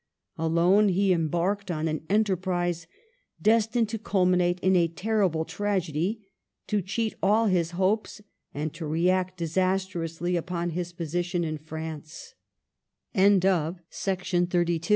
Alone he embarked on an enterprise destined to culminate in a terrible tragedy, to cheat all his hopes and to react disastrously upon his position in Fr